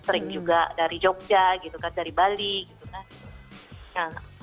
sering juga dari jogja gitu kan dari bali gitu kan